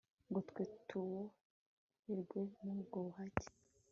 ngo twe tuboherwe mu ubwo buhake